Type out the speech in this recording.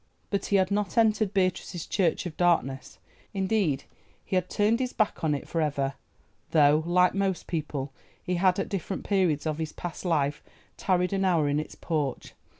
But he had not entered Beatrice's church of Darkness, indeed he had turned his back on it for ever, though, like most people, he had at different periods of his past life tarried an hour in its porch.